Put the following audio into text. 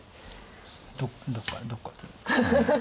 どこから打つんですかね。